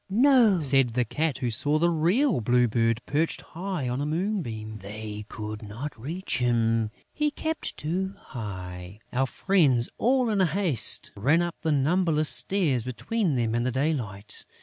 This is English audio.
"No," said the Cat, who saw the real Blue Bird perched high up on a moonbeam.... "They could not reach him, he kept too high...." Our friends in all haste ran up the numberless stairs between them and the daylight.